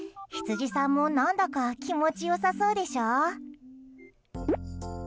羊さんも何だか気持ち良さそうでしょう。